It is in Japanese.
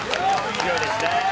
強いですね。